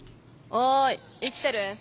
「おい生きてる？」